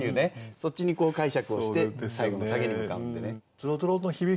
そっちに解釈をして最後のサゲに向かうんでね。